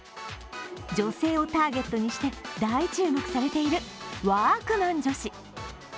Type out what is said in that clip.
女性をターゲットにして大注目されているワークマン女子。